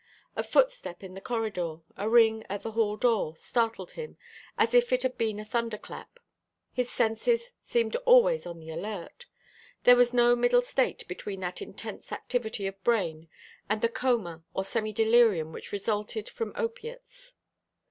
A footstep in the corridor, a ring at the hall door, startled him as if it had been a thunder clap. His senses seemed always on the alert. There was no middle state between that intense activity of brain and the coma or semi delirium which resulted from opiates.